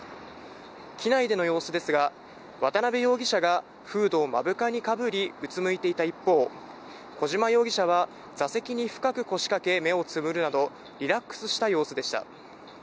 機内での様子ですが、渡辺容疑者がフードを目深にかぶり、うつむいていた一方、小島容疑者は座席に深く腰かけ、目をつぶるなど、リラックスした様子でした。